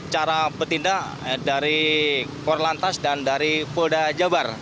cara bertindak dari kor lantas dan dari polda jabar